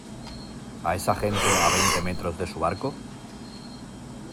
a esa gente a veinte metros de su barco?